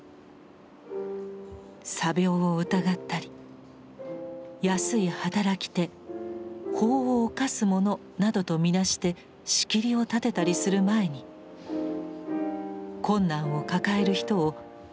詐病を疑ったり安い働き手法を犯す者などと見なして仕切りを立てたりする前に困難を抱える人を人として信じること。